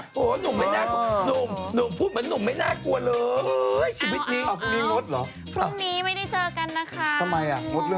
กินไอศครีมแบบเดียวกันรึเปล่าอะไรอย่างนี้